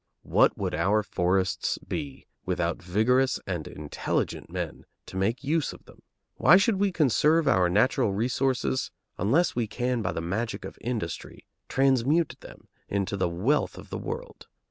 What would our forests be worth without vigorous and intelligent men to make use of them? Why should we conserve our natural resources, unless we can by the magic of industry transmute them into the wealth of the world?